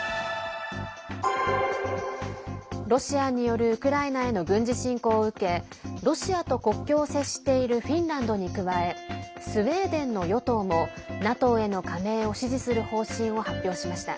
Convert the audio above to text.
ロシアによるウクライナへの軍事侵攻を受けロシアと国境を接しているフィンランドに加えスウェーデンの与党もＮＡＴＯへの加盟を支持する方針を発表しました。